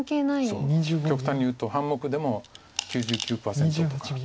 そう極端に言うと半目でも９９％とか。